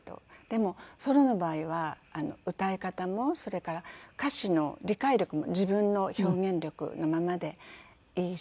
でもソロの場合は歌い方もそれから歌詞の理解力も自分の表現力のままでいいし。